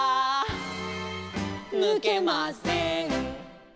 「ぬけません」